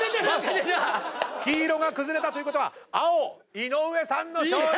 黄色が崩れたということは青井上さんの勝利！